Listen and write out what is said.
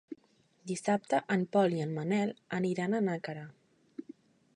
Dissabte en Pol i en Manel aniran a Nàquera.